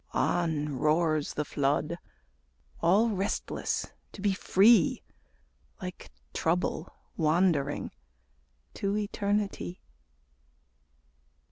On roars the flood, all restless to be free, Like Trouble wandering to Eternity.